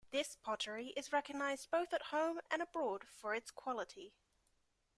This pottery is recognized both at home and abroad for its quality.